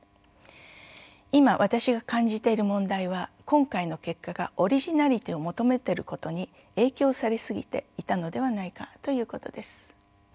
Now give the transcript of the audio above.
「今私が感じている問題は今回の結果がオリジナリティーを求めてることに影響され過ぎていたのではないかということです。